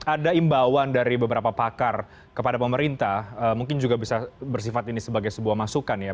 ada imbauan dari beberapa pakar kepada pemerintah mungkin juga bisa bersifat ini sebagai sebuah masukan ya